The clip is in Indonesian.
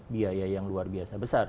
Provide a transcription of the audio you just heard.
biaya yang luar biasa besar